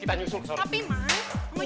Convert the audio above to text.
kita nyusul ke sana